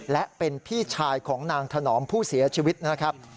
และเป็นพี่ชายของนางถนอมผู้เสียชีวิตนะครับ